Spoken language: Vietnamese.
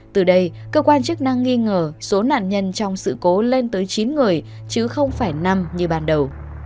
từ đây cơ quan chức năng nghi ngờ số nạn nhân trong sự cố lên tới chín người chứ không phải năm như ban đầu